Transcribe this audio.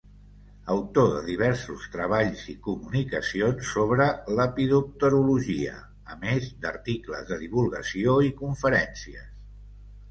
Autor de diversos treballs i comunicacions sobre lepidopterologia, a més d'articles de divulgació i conferències.